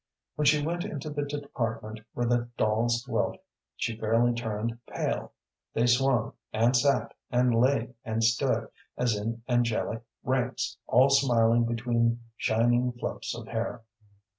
When she went into the department where the dolls dwelt, she fairly turned pale. They swung, and sat, and lay, and stood, as in angelic ranks, all smiling between shining fluffs of hair.